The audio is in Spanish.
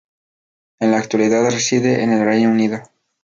En la actualidad reside en el Reino Unido.